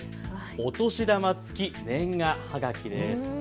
お年玉付き年賀はがきです。